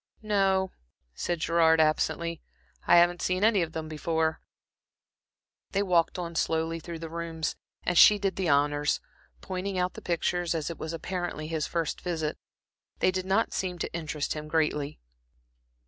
"No," said Gerard, absently. "I haven't seen any of them before." They walked on slowly through the rooms, and she did the honors, pointing out the pictures, as it was apparently his first visit. They did not seem to interest him greatly.